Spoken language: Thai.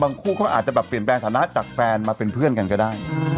คู่เขาอาจจะแบบเปลี่ยนแปลงฐานะจากแฟนมาเป็นเพื่อนกันก็ได้